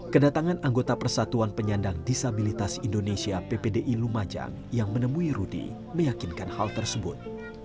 kedatangan anggota persatuan penyandang disabilitas indonesia ppdi lumajang yang menemui rudy meyakinkan hal tersebut